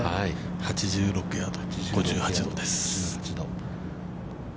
◆８６ヤード、５８度です。